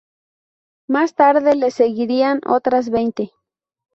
Más tarde les seguirían otras veinte.